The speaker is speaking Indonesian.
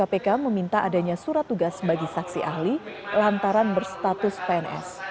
kpk meminta adanya surat tugas bagi saksi ahli lantaran berstatus pns